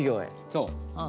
そう。